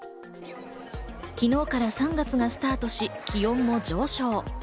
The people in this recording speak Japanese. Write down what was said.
昨日から３月がスタートし気温も上昇。